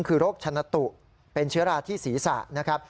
คือโรคชนะตุเป็นเชื้อราที่ศีรษะนะครับ